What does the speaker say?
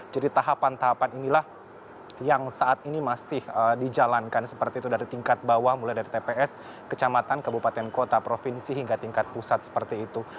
jadi tahapan tahapan inilah yang saat ini masih dijalankan seperti itu dari tingkat bawah mulai dari tps kecamatan kabupaten kota provinsi hingga tingkat pusat seperti itu